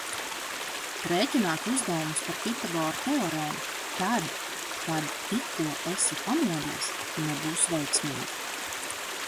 Rēķināt uzdevumus par Pitagora teorēmu, tad, kad tikko esi pamodies nebūs veiksmīgi.